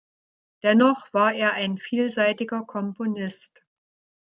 Dennoch war er ein vielseitiger Komponist.